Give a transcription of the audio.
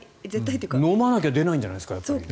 飲まなきゃ出ないんじゃないですか？